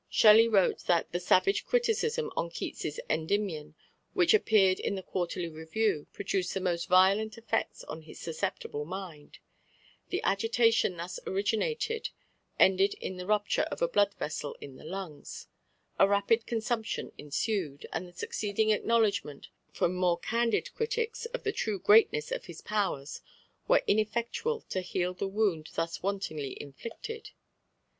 Shelley wrote that "the savage criticism on Keats' Endymion which appeared in the Quarterly Review produced the most violent effects on his susceptible mind; the agitation thus originated ended in the rupture of a blood vessel in the lungs; a rapid consumption ensued, and the succeeding acknowledgments from more candid critics of the true greatness of his powers were ineffectual to heal the wound thus wantonly inflicted.